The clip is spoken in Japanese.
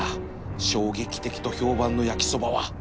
衝撃的と評判の焼きそばは